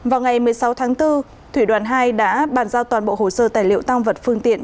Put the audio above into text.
vào ngày một mươi sáu tháng bốn thủy đoàn hai đã bàn giao toàn bộ hồ sơ tài liệu tăng vật phương tiện